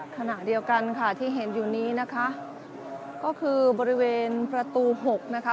ขณะเดียวกันค่ะที่เห็นอยู่นี้นะคะก็คือบริเวณประตูหกนะคะ